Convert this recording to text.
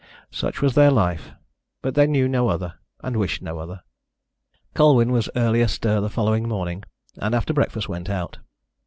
Such was their life, but they knew no other, and wished no other. Colwyn was early astir the following morning, and after breakfast went out.